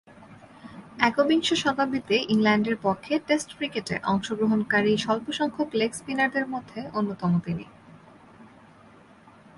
একবিংশ শতাব্দীতে ইংল্যান্ডের পক্ষে টেস্ট ক্রিকেটে অংশগ্রহণকারী স্বল্পসংখ্যক লেগ স্পিনারদের অন্যতম তিনি।